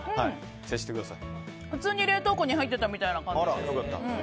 普通に冷凍庫に入っているみたいな感じで。